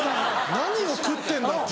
何を食ってんだ？って。